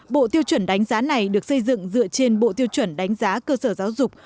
bộ tiêu chuẩn đánh giá này được xây dựng dựa trên bộ tiêu chuẩn đánh giá cơ sở giáo dục